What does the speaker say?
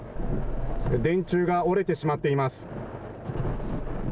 電柱が折れてしまっています。